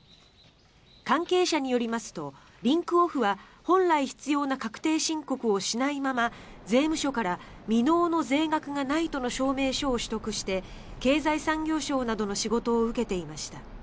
関係者によりますとリンクオフは本来必要な確定申告をしないまま税務署から未納の税額がないとの証明書を取得して経済産業省などの仕事を受けていました。